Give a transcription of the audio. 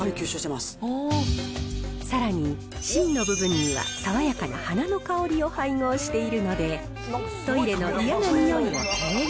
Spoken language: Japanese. さらに、芯の部分には爽やかな花の香りを配合しているので、トイレの嫌な臭いを軽減。